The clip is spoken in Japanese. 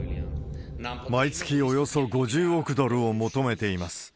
毎月およそ５０億ドルを求めています。